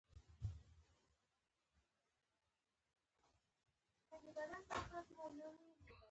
سم غږېږه غټ سړی یې